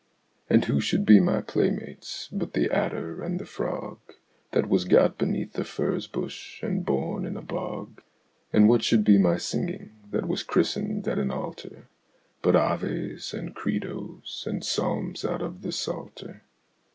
And who should be my playmates but the adder and the frog, That was got beneath a furze bush and born in a bog? And what should be my singing, that was christened at an altar, But Aves and Credos and Psalms out of the Psalter?